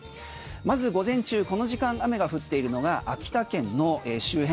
まず午前中、この時間雨が降っているのが秋田県の周辺。